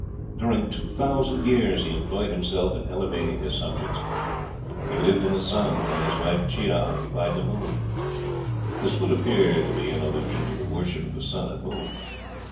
During two thousand years he employed himself in elevating his subjects. He lived in the sun, while his wife Chia occupied the moon. This would appear to be an allusion to the worship of the sun and moon.